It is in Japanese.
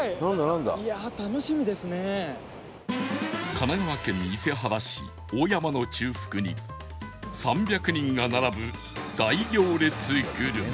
神奈川県伊勢原市大山の中腹に３００人が並ぶ大行列グルメ